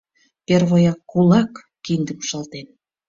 Первояк — кулак, киндым шылтен.